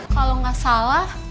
kalau gak salah